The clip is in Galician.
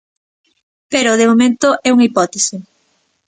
Pero, de momento, é unha hipótese.